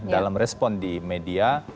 dalam respon di media